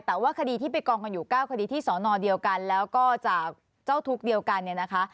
แต่ว่าคดีที่ไปกองกันอยู่๙คดีที่สอนอเดียวกันแล้วก็จากเจ้าทุกข์เดียวกันเนี่ยนะคะ